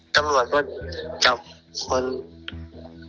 ตำรวจจับคนที่กันไปก่อนครับ